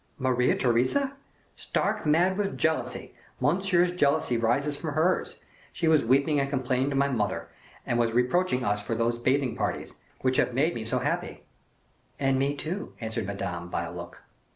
"Maria Theresa!" "Stark mad with jealousy! Monsieur's jealousy arises from hers; she was weeping and complaining to my mother, and was reproaching us for those bathing parties, which have made me so happy." "And me too," answered Madame, by a look.